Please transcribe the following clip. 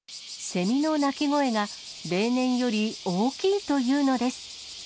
セミの鳴き声が、例年より大きいというのです。